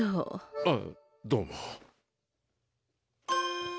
あっどうも。